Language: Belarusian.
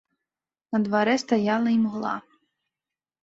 На дварэ стаяла імгла.